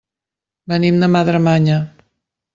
Venim de Madremanya.